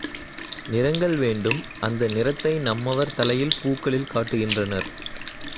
நிறங்கள் வேண்டும் அந்த நிறத்தை நம்மவர் தலையில் பூக்களில் காட்டுகின்றனர்.